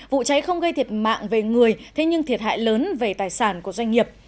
vụ cháy không gây thiệt mạng về người thế nhưng thiệt hại lớn về tài sản của doanh nghiệp